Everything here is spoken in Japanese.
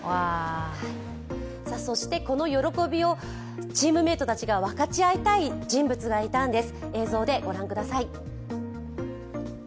この喜びをチームメイトたちが分かち合いたい人物がいたんです。